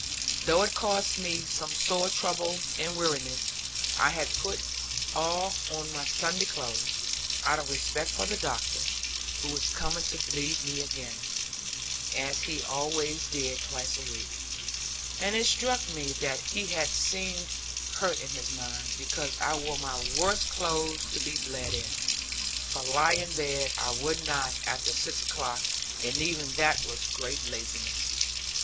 Though it cost me sore trouble and weariness, I had put on all my Sunday clothes, out of respect for the doctor, who was coming to bleed me again (as he always did twice a week); and it struck me that he had seemed hurt in his mind, because I wore my worst clothes to be bled in for lie in bed I would not, after six o'clock; and even that was great laziness.